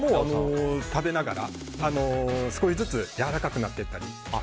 食べながら少しずつやわらなくなっていったり。